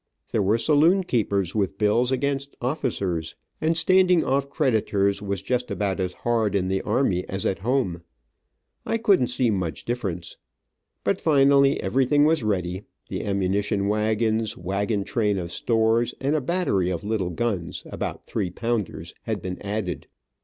There were saloon keepers with bills against officers, and standing off creditors was just about as hard in the army as at home. I couldn't see much difference. But finally everything was ready, the ammunition wagons, wagon train of stores, and a battery of little guns, about three pounders, had been added.